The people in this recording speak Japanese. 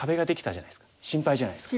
心配じゃないですか。